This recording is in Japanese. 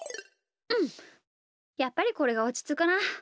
うんやっぱりこれがおちつくな。